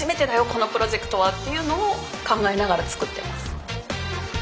このプロジェクトはっていうのを考えながら作ってます。